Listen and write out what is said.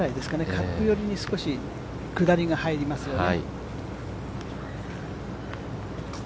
カップ寄りに少し下りが入りますよね。